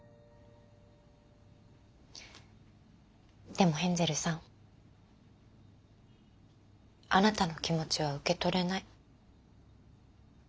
でもヘンゼルさんあなたの気持ちは受け取れない。